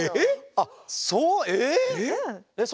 あっそうえっ！？